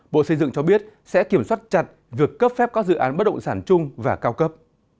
bộ xây dựng cho biết sẽ kiểm soát chặt việc cấp phép các dự án bất động sản chung và cao cấp